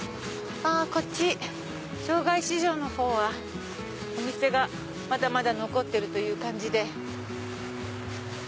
こっち場外市場のほうはお店がまだまだ残ってるという感じで。